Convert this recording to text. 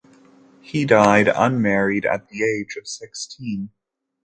He died unmarried at the age of sixteen.